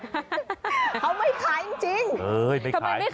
เขาไม่ขายจริง